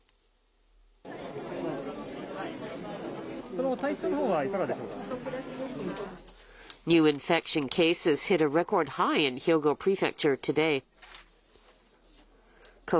その後、体調のほうはいかがでしょうか。